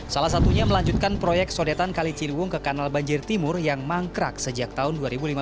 salah satunya melanjutkan proyek sodetan kali ciliwung ke kanal banjir timur yang mangkrak sejak tahun dua ribu lima belas